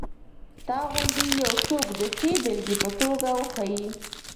تا غوندې یو څوک د ښې بېلګې په توګه وښیي.